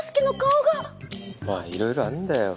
まあいろいろあるんだよ。